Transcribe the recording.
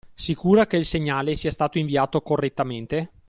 Sicura che il segnale sia stato inviato correttamente?